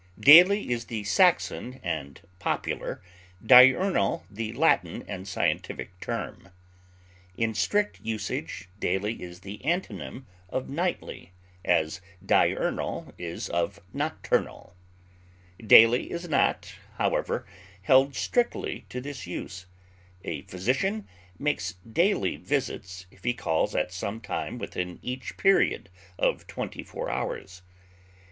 Daily is the Saxon and popular, diurnal the Latin and scientific term. In strict usage, daily is the antonym of nightly as diurnal is of nocturnal. Daily is not, however, held strictly to this use; a physician makes daily visits if he calls at some time within each period of twenty four hours.